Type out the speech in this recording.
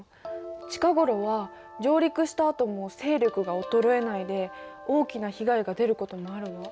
近頃は上陸したあとも勢力が衰えないで大きな被害が出ることもあるわ。